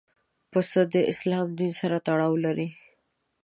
پسه د اسلام دین سره تړاو لري.